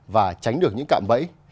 và tránh được những cạn bẫy